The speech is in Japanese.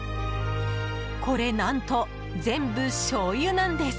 これ何と全部しょうゆなんです。